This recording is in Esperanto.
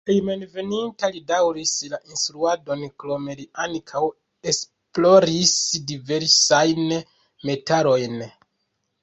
Hejmenveninta li daŭris la instruadon, krome li ankaŭ esploris diversajn metalojn.